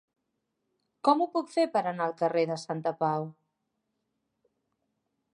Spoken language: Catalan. Com ho puc fer per anar al carrer de Santapau?